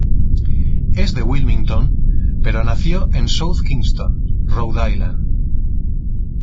Es de Wilmington, pero nació en South Kingston, Rhode Island.